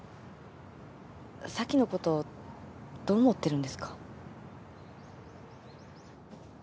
咲のことどう思ってるんですか？